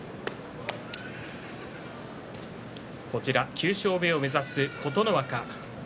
９勝目を目指す琴ノ若。